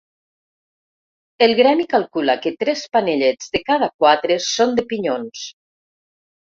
El gremi calcula que tres panellets de cada quatre són de pinyons.